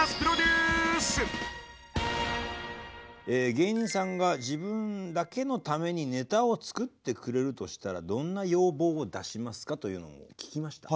芸人さんが自分だけのためにネタを作ってくれるとしたらどんな要望を出しますかというのを聞きました。